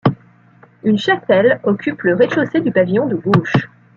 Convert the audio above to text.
Une chapelle occupe le rez-de-chaussée du pavillon de gauche.